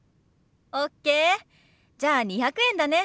じゃあ２００円だね。